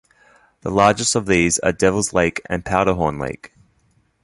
The largest of these are Devil's Lake and Powderhorn Lake.